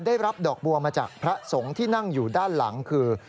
ได้รับดอกบัวมาจากพระสงฆ์ที่นั่งอยู่ด้านหลังคือ